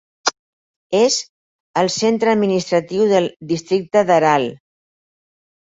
És el centre administratiu del districte d'Aral.